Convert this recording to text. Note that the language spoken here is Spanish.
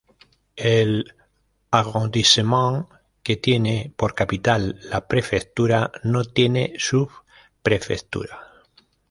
El arrondissement que tiene por capital la prefectura no tiene subprefectura.